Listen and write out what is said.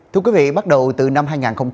thưa quý vị bắt đầu từ năm hai nghìn một mươi chín